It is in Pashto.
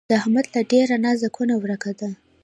د احمد له ډېره نازه کونه ورکه ده